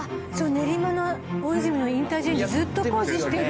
練馬の大泉のインターチェンジずっと工事してる。